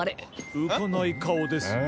浮かない顔ですね。